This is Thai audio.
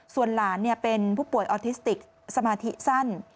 ส่วนหลานเป็นผู้ป่วยออทิสติกสมาธิสั้น